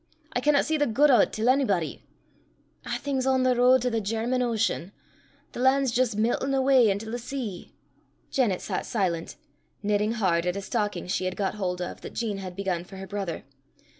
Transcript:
I canna see the guid o' 't till onybody. A'thing's on the ro'd to the German Ocean. The lan' 's jist miltin' awa intil the sea!" Janet sat silent, knitting hard at a stocking she had got hold of, that Jean had begun for her brother.